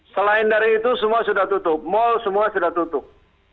jadi dari itu semua sudah tutup mal semua sudah tutup